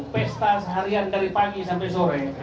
pesta seharian dari pagi sampai sore